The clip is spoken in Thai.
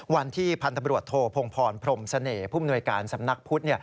วันที่พันธบรวจโทพงพรพรมเสน่ห์ผู้มนวยการสำนักพุทธ